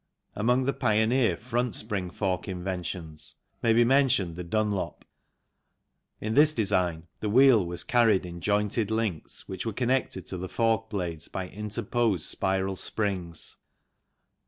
Among the pioneer front spring fork inventions may be mentioned the Dunlop. In this design the wheel was carried in jointed links which were connected to the fork blades by interposed spiral springs.